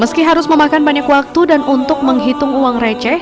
meski harus memakan banyak waktu dan untuk menghitung uang receh